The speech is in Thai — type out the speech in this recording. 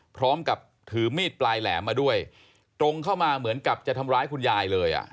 พร้อมกับถือมีดปลายแหลมมาด้วยตรงเข้ามาเหมือนกับจะทำร้ายคุณยายเลยอ่ะ